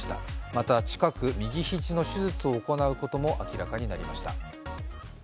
また近く、右肘の手術を行うことも明らかになりました。